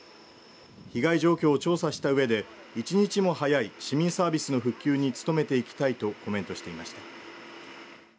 被害状況を調査したうえで１日も早い市民サービスの普及に努めていきたいとコメントしていました。